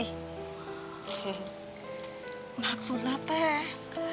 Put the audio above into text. hmm maksudnya teh